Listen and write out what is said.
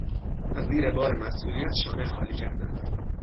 از زیر بار مسئولیت شانه خالی کردن